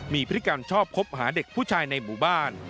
มีพฤติกรรมชอบคบหาเด็กผู้ชายในหมู่บ้าน